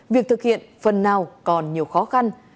việc thực hiện phần nào còn nhiều khó khăn